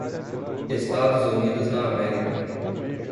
Estados Unidos da Ámerica.